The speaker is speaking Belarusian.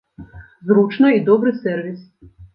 Зручна і добры сэрвіс.